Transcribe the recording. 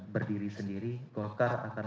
berdiri sendiri golkar akan